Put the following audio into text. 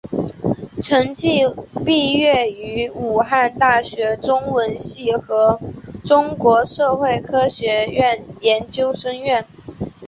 陈晋毕业于武汉大学中文系和中国社会科学院研究生院。